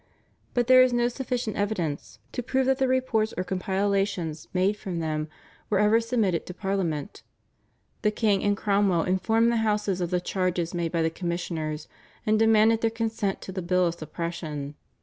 But there is no sufficient evidence to prove that the reports or compilations made from them were ever submitted to Parliament. The king and Cromwell informed the Houses of the charges made by the commissioners, and demanded their consent to the bill of suppression.